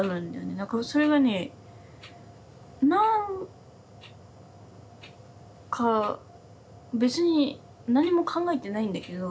何かそれがね何か別に何も考えてないんだけど。